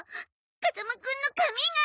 風間くんの髪が！